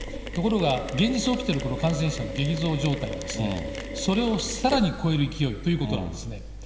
ところが、現実起きてる感染者の激増状態はですね、それをさらに超える勢いということなんですね。